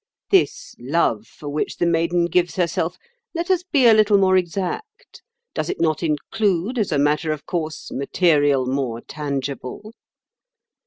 This 'love' for which the maiden gives herself—let us be a little more exact—does it not include, as a matter of course, material more tangible?